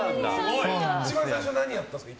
一番最初は１万円で何やったんですか？